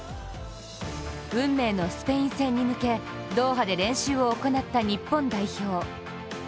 運命のスペイン戦に向けドーハで練習を行った日本代表。